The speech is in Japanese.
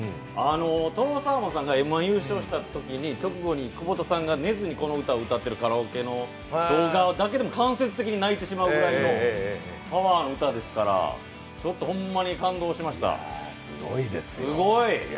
とろサーモンさんが「Ｍ−１」優勝したときに久保田さんが歌っているカラオケの動画だけでも間接的に泣いてしまうぐらいのパワーの歌ですから感動しました。